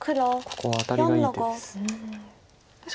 ここはアタリがいい手です。